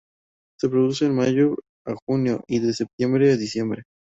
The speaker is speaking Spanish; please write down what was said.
Se reproduce de mayo a junio y de septiembre a diciembre.